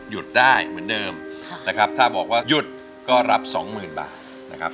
หยุดได้เหมือนเดิมนะครับถ้าบอกว่าหยุดก็รับสองหมื่นบาทนะครับ